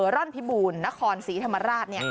ร่อนพิบูรณ์นครศรีธรรมราช